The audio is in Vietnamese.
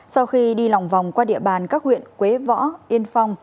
sau khi đi lòng vòng qua địa bàn các huyện quế võ yên phong